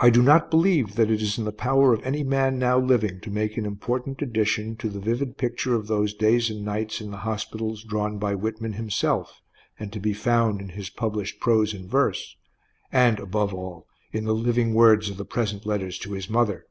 I do not believe that it is in the power of any man now living to make an important addition to the vivid picture of those days and nights in the hospitals drawn by Whitman himself and to be found in his published prose and verse, and, above all, in the living words of the present letters to his mother.